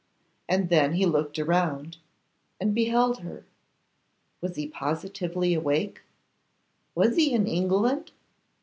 And then he looked around and beheld her. Was he positively awake? Was he in England?